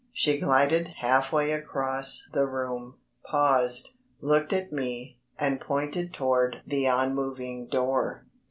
She glided half way across the room, paused, looked at me, and pointed toward the unmoving door.